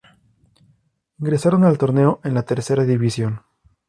Ingresaron al torneo en la Tercera división.